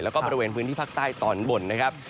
แล้วก็บริเวณพื้นที่ภาคใต้ตอนบนนะครับ